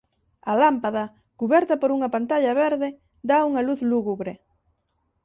A lámpada, cuberta por unha pantalla verde, dá unha luz lúgubre.